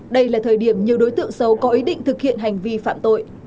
đây là thời điểm nhiều đối tượng xấu có ý định thực hiện hành vi phạm tội